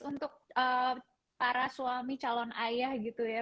untuk para suami calon ayah gitu ya